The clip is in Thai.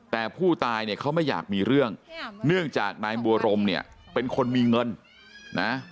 แต่ผู้ตายเนี่ยเขาไม่อยากมีเรื่องเนื่องจากนายบัวรมเนี่ยเป็นคนมีเงินนะ